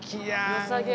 よさげ！